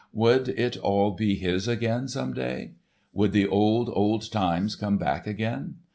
Would it all be his again some day? Would the old, old times come back again?